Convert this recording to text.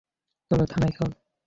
চলো, থানায় চল।